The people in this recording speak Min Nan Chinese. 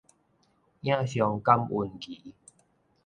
影像感溫儀